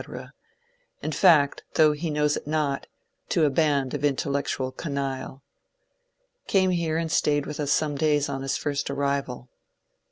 — in fact, though he knows it not, to a band of intellectual canaille. Came here and stayed with us some days on his first arrival.